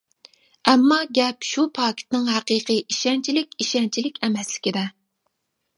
ئەمما گەپ شۇ پاكىتنىڭ ھەقىقىي ئىشەنچلىك-ئىشەنچلىك ئەمەسلىكىدە.